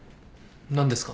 何ですか？